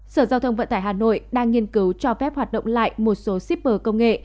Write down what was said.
sở giao thông vận tải hà nội đang nghiên cứu cho phép hoạt động lại một số shipper công nghệ